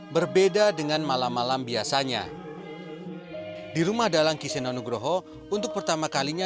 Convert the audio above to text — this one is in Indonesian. berbeda dengan malam malam biasanya di rumah dalang kiseno nugroho untuk pertama kalinya